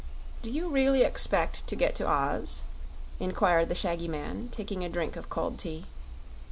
"Do you really expect to get to Oz?" inquired the shaggy man, taking a drink of cold tea.